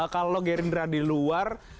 kalau gerindra di luar